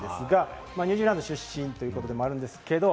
ニュージーランド出身ということもあるんですけれども。